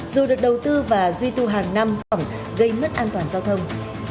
dù được đầu tư và duy tư hàng năm gây mất an toàn giao thông